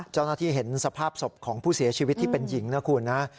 เจ้าหน้าที่เห็นสภาพศพของผู้เสียชีวิตที่เป็นหญิงนะคุณนะ